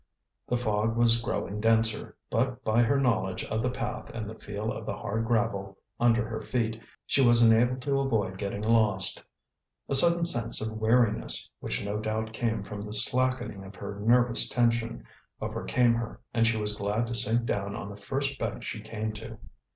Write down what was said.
The fog was growing denser, but by her knowledge of the path and the feel of the hard gravel under her feet, she was enabled to avoid getting lost. A sudden sense of weariness, which no doubt came from the slackening of her nervous tension, overcame her, and she was glad to sink down on the first bench she came to.